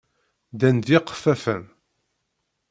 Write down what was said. Ddan d yiqeffafen.